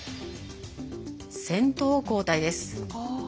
先頭交代です。